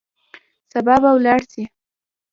سبا به ولاړ سئ.